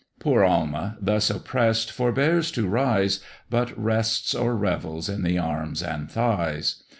Poor Alma, thus oppress'd forbears to rise, But rests or revels in the arms and thighs.